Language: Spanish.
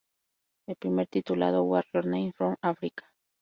El primero, titulado Warrior Names from Afrika.